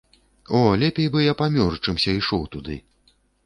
О, лепей бы я памёр, чымся ішоў туды.